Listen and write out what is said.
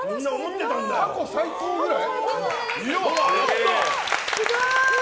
過去最高くらい？